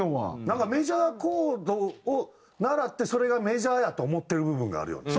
なんかメジャーコードを習ってそれがメジャーやと思ってる部分があるよね。